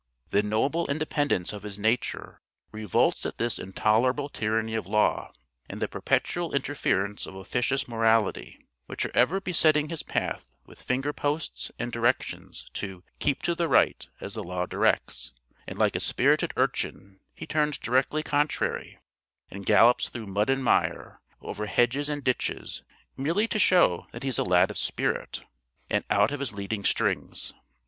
The noble independence of his nature revolts at this intolerable tyranny of law, and the perpetual interference of officious morality, which are ever besetting his path with finger posts and directions to "keep to the right, as the law directs;" and like a spirited urchin, he turns directly contrary, and gallops through mud and mire, over hedges and ditches, merely to show that he is a lad of spirit, and out of his leading strings.